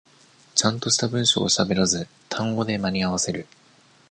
ちゃんとした文章をしゃべらず、単語で間に合わせる。